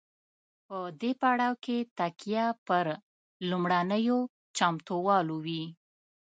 په دې پړاو کې تکیه پر لومړنیو چمتووالو وي.